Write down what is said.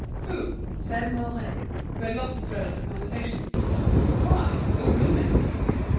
"Who?" asked Mouret, who had lost the thread of the conversation. "Why, the women."